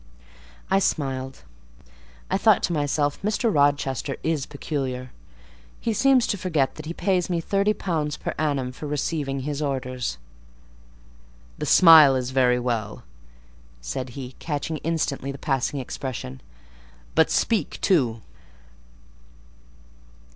I smiled: I thought to myself Mr. Rochester is peculiar—he seems to forget that he pays me £30 per annum for receiving his orders. "The smile is very well," said he, catching instantly the passing expression; "but speak too."